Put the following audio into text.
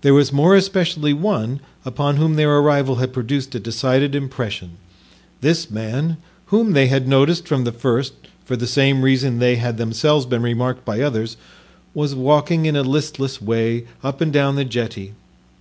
There was more especially one upon whom their arrival had produced a decided impression. This man, whom they had noticed from the first for the same reason they had themselves been remarked by others, was walking in a listless way up and down the jetty.